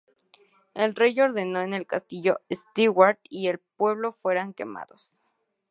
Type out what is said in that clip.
El rey ordenó que el Castillo Stewart, y el pueblo fueran quemados.